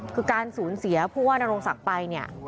คือการสูญเสียผู้ว่านโรงศักดิ์ไปเนี่ย